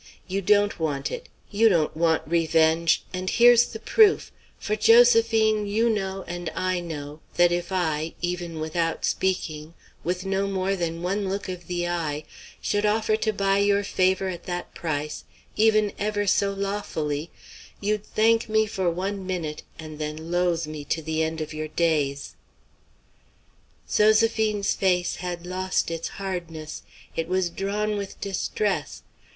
You don't want it; you don't want revenge, and here's the proof; for, Josephine, you know, and I know, that if I even without speaking with no more than one look of the eye should offer to buy your favor at that price, even ever so lawfully, you'd thank me for one minute, and then loathe me to the end of your days." Zoséphine's face had lost its hardness. It was drawn with distress.